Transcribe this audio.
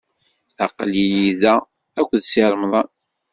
Aql-iyi da akked Si Remḍan.